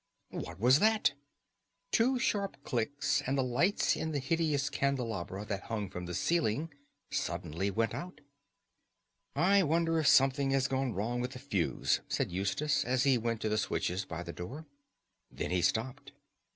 What was that? Two sharp clicks and the lights in the hideous candelabra that hung from the ceiling suddenly went out. "I wonder if something has gone wrong with the fuse," said Eustace, as he went to the switches by the door. Then he stopped.